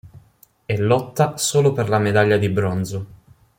È lotta solo per la medaglia di bronzo.